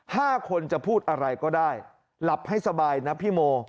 ห้าคนจะพูดอะไรก็ได้หลับให้สบายนะพี่โม